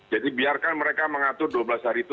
jadi biarkan mereka mengatur dua belas hari itu